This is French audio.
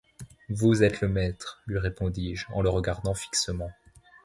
Vous êtes le maître, lui répondis-je, en le regardant fixement.